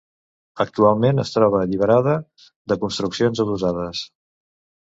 Actualment es troba alliberada de construccions adossades.